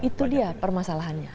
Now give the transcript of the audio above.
nah itu dia permasalahannya